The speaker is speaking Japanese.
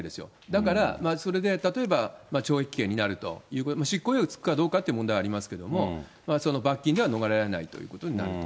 だからそれで、例えば懲役刑になると、執行猶予付くかどうかという問題はありますけれども、罰金では逃れられないということになると。